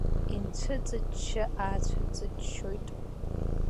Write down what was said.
Инцәыҵачча-аацәыҵаччоит.